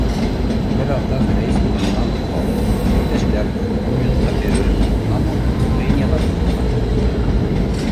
Бер аҙҙан рәис урынынан ҡуҙғалып: - Иптәштәр, ун минутҡа перерыв, унан һуң прениелар башлана, - тине.